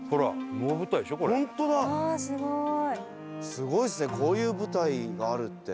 すごいですねこういう舞台があるって。